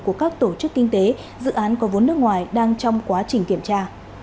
của các tổ chức kinh tế dự án có vốn nước ngoài đang trong quá trình kiểm tra